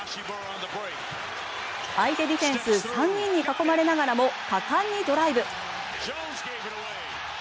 相手ディフェンス３人に囲まれながらも果敢にドライブ。